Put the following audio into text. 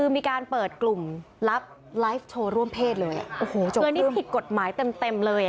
มีการเปิดกลุ่มลับไล่ชันโชว์ร่วมเพศปิดกฎหมายเต็มเลย